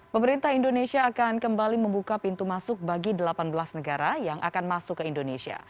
pemerintah indonesia akan kembali membuka pintu masuk bagi delapan belas negara yang akan masuk ke indonesia